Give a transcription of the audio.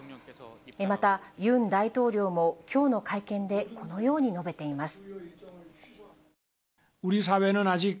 また、ユン大統領もきょうの会見で、このように述べています。